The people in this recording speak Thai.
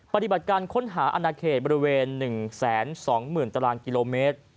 ปฏิบัติการค้นหาอนาเขตบริเวณ๑๒๐๐๐ตารางกิโลเมตร